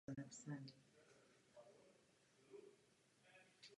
Zpráva požaduje konkrétně toto zapojení a současně uznává úlohu Komise.